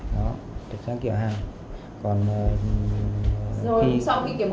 sau khi kiểm bố xong người ta đã công em thì như thế nào